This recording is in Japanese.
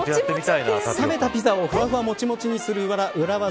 冷めたピザをふわふわもちもちにする裏技。